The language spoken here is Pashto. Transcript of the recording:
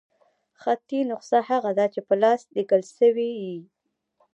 خطي نسخه هغه ده، چي په لاس ليکل سوې يي.